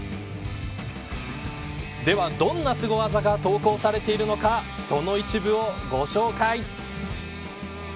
では、どんなすご技が投稿されているのかその一部をご紹介。